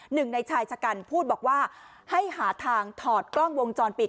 หนึ่งในชายชะกันพูดบอกว่าให้หาทางถอดกล้องวงจรปิด